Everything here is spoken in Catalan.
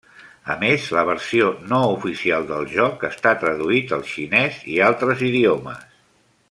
A més, la versió no oficial del joc està traduït al xinès i altres idiomes.